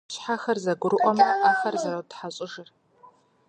Щхьэхэр зэгурыӀуэмэ, Ӏэхэр зэротхьэщӀыжыр.